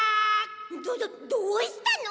どどどうしたの？